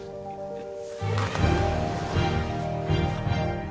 えっ！？